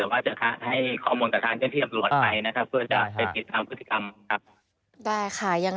ไปรับภาพพฤติกรรม